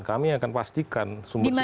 kami akan pastikan sumber sumber informasi